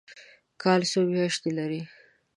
کال څو میاشتې لري؟